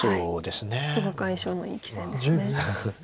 すごく相性のいい棋戦ですね。